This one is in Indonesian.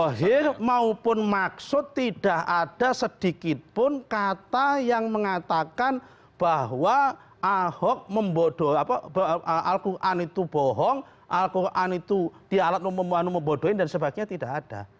dari dohir maupun maksud tidak ada sedikit pun kata yang mengatakan bahwa al quran itu bohong al quran itu dialat membodohin dan sebagainya tidak ada